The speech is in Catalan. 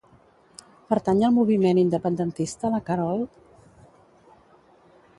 Pertany al moviment independentista la Karol?